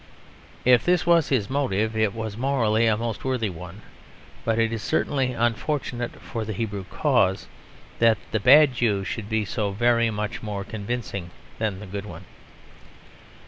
If this was his motive, it was morally a most worthy one. But it is certainly unfortunate for the Hebrew cause that the bad Jew should be so very much more convincing than the good one.